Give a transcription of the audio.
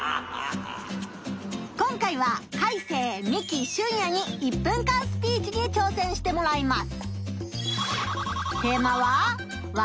今回はカイセイミキシュンヤに１分間スピーチに挑戦してもらいます。